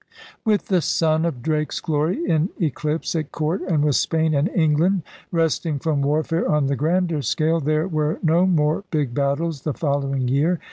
With the sun of Drake's glory in eclipse at court and with Spain and England resting from warfare on the grander scale, there were no more big battles the following year.